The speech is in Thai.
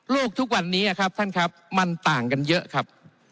โลกทุกวันนี้มันต่างกันเยอะครับ